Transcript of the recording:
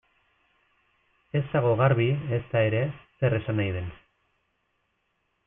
Ez dago garbi, ezta ere, zer esan nahi den.